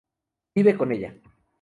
Vive con ella.